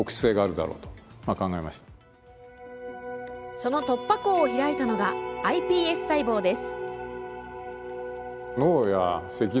その突破口を開いたのがｉＰＳ細胞です。